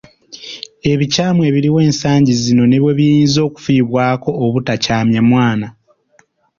Ebikyamu ebiriwo ensangi zino ne bwe biyinza okufiibwako obutakyamya mwana